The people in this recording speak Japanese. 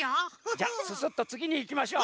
じゃあススッとつぎにいきましょう。